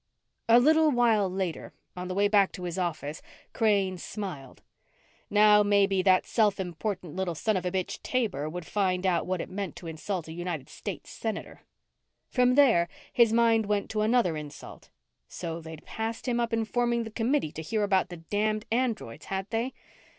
A little while later, on the way back to his office, Crane smiled. Now maybe that self important little son of a bitch, Taber, would find out what it meant to insult a United States Senator. From there, his mind went to another insult. So they'd passed him up in forming the committee to hear about the damned androids, had they?